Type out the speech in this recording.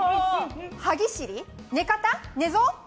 歯ぎしり、寝方、寝相？